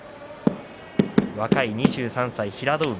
若い２３歳、平戸海。